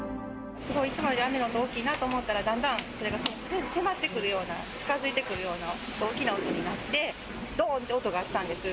すごい、いつもより雨の音が大きいなと思ったら、だんだんそれが迫ってくるような、近づいてくるような大きな音になって、どーんっていう音がしたんです。